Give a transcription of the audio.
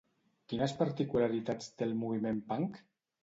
Quines particularitats té el moviment punk?